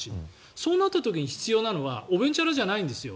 そうなった時に必要なのはおべんちゃらじゃないんです。